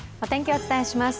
お伝えします。